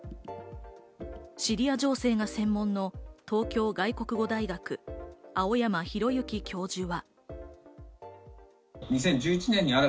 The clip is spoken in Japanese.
シリア情勢が専門の東京外国語大学・青山弘之教授は。